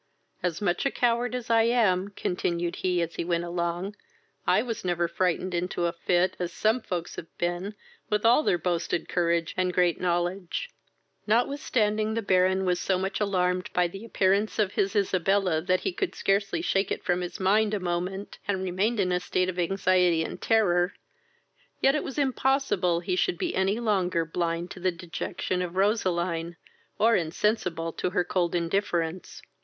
"As much a coward as I am, (continued he, as he went along,) I was never frightened into a fit as some folks have been with all their boasted courage and great knowledge." Notwithstanding the Baron was so much alarmed by the appearance of his Isabella, that he could scarcely shake it from his mind a moment, and remained in a state of anxiety and terror, yet it was impossible he should be any longer blind to the dejection of Roseline, or insensible of her cold indifference.